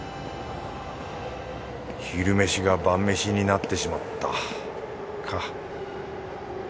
昼飯が晩飯になってしまったか